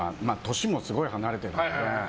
年もすごい離れてるので。